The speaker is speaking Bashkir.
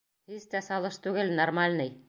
Һис тә салыш түгел, нормальный.